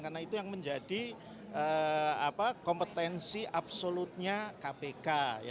karena itu yang menjadi kompetensi absolutnya kpk